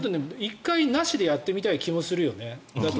１回、なしでやってみたい気もするよね。